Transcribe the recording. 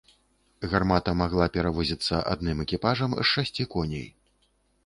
Гармата магла перавозіцца адным экіпажам з шасці коней.